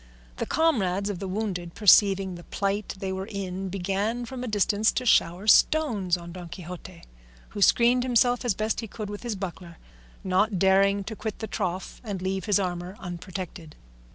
The comrades of the wounded perceiving the plight they were in began from a distance to shower stones on Don Quixote, who screened himself as best he could with his buckler, not daring to quit the trough and leave his armour unprotected.